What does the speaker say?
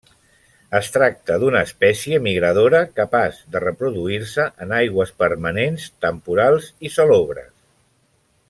Es tracta d'una espècie migradora, capaç de reproduir-se en aigües permanents i temporals i salobres.